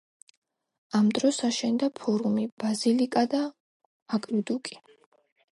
ამ დროს აშენდა ფორუმი, ბაზილიკა და აკვედუკი.